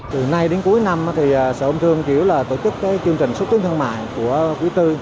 từ nay đến cuối năm thì sở ông thương chỉ là tổ chức chương trình xuất tuyến thương mại của quý tư